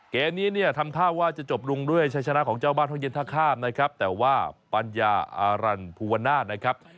เกมนี้เนี่ยทำท่าว่าจะจบลงด้วยใช้ชนะของเจ้าบ้านห้องเย็นท่าข้ามนะครับแต่ว่าปัญญาอารันภูวนาศนะครับ